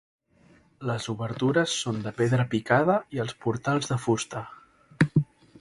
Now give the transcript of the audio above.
Les obertures són de pedra picada i els portals de fusta.